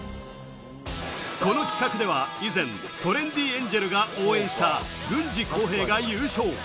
この企画では以前、トレンディエンジェルが応援した郡司浩平が優勝。